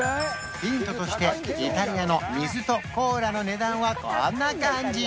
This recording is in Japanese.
ヒントとしてイタリアの水とコーラの値段はこんな感じ